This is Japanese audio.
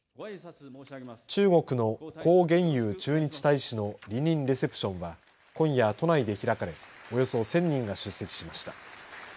中国の孔鉉佑駐日大使の離任レセプションは今夜、都内で開かれおよそ１０００人が出席しました。